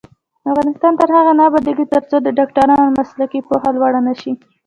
افغانستان تر هغو نه ابادیږي، ترڅو د ډاکټرانو مسلکي پوهه لوړه نشي.